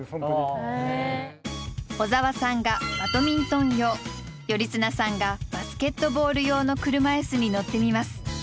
小沢さんがバドミントン用頼綱さんがバスケットボール用の車いすに乗ってみます。